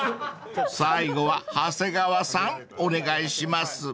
［最後は長谷川さんお願いします］